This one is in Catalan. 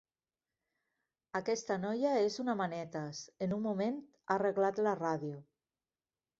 Aquesta noia és una manetes: en un moment ha arreglat la ràdio.